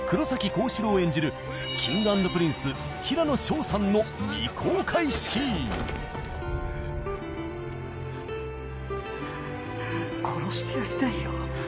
高志郎を演じるＫｉｎｇ＆Ｐｒｉｎｃｅ平野紫耀さんの殺してやりたいよ